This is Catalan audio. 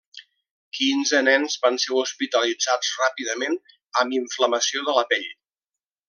Quinze nens van ser hospitalitzats ràpidament amb inflamació de la pell.